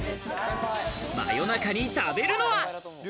夜中に食べるのは？